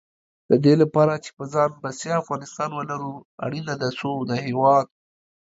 د دې لپاره چې په ځان بسیا افغانستان ولرو، اړینه ده څو د هېواد